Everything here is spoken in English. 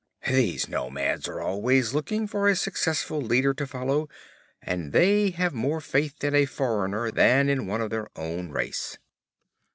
These nomads are always looking for a successful leader to follow, and they have more faith in a foreigner than in one of their own race.